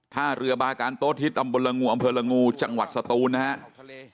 ท่าเรือบากันโต๊ะทิศอำเภิลงูอำเภิลงูจังหวัดสตูนนะฮะ